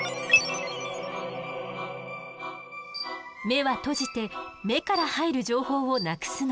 目は閉じて目から入る情報をなくすの。